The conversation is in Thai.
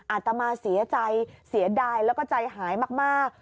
อาตมาเสียใจเสียดายแล้วก็ใจหายมาก